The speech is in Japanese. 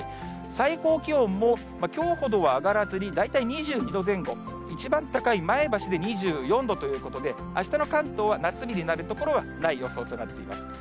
最高気温も、きょうほどは上がらずに、大体２２度前後、一番高い前橋で２４度ということで、あしたの関東は、夏日になる所はない予想となっています。